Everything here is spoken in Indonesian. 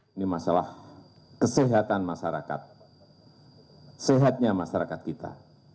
ini masalah kesehatan masyarakat sehatnya masyarakat kita